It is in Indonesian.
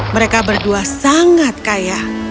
mereka berdua sangat kaya